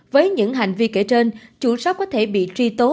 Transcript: với những hành vi kể trên chủ shop có thể bị truy tố